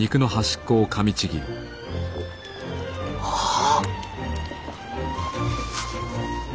ああ。